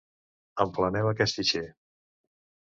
Empleneu aquest fitxer.